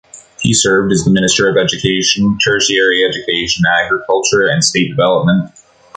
He served as Minister of Education, Tertiary Education, Agriculture and State Development.